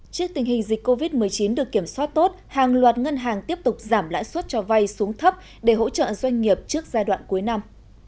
trước tình hình dịch covid một mươi chín được kiểm soát tốt hàng loạt ngân hàng tiếp tục giảm lãi suất cho vay xuống thấp để hỗ trợ doanh nghiệp trước giai đoạn cuối năm